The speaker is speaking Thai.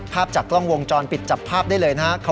ภาพจากกล้องวงจรปิดจับภาพได้เลยนะครับ